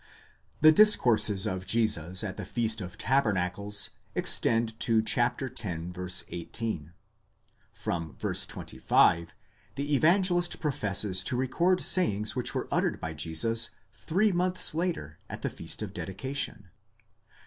The discourses of Jesus at the Feast of Tabernacles extend to x. 18. From v. 25, the Evangelist professes to record sayings which were uttered by Jesus three months later, at the Feast of Dedication.